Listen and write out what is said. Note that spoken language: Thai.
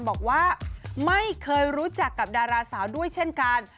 บอกว่าไม่เคยรู้จักกับดาราสาวด้วยเช่นกัน